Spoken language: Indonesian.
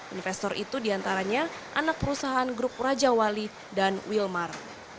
investor itu diantaranya anak perusahaan grup raja wali dan wilmar